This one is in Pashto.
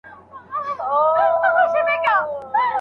دا فارم له شبکې ملاتړ کوي.